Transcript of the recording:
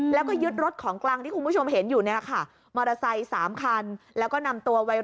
แล้วก็ยึดรถของกลางที่คุณผู้ชมเห็นอยู่นี่นะคะ